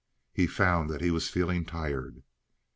He found that he was feeling tired.